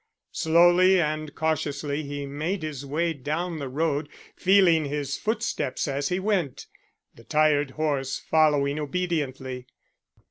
Slowly and cautiously he made his way down the road, feeling his footsteps as he went, the tired horse following obediently.